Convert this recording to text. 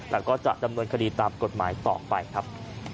แต่ก็จะดำเนินคดีตามกฎหมายต่อไปครับ